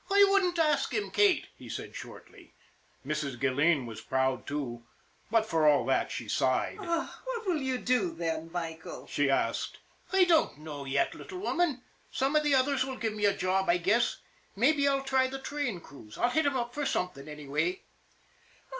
" I wouldn't ask him, Kate," he said shortly. Mrs. Gilleen was proud, too but for all that she sighed. "What will you do, then, Michael?" she asked. " I dunno yet, little woman. Some of the others will give me a job, I guess. Mabbe I'll try the train crews. I'll hit 'em up for something, anyway."